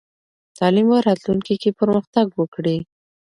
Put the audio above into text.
تعلیم به راتلونکې کې پرمختګ وکړي.